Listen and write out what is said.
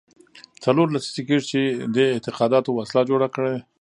څلور لسیزې کېږي چې دې اعتقاداتو وسله جوړه کړې.